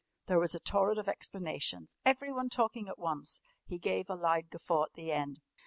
There was a torrent of explanations, everyone talking at once. He gave a loud guffaw at the end.